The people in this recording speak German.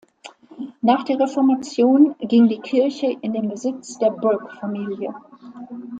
Nach der Reformation ging die Kirche in den Besitz der Bourke-Familie.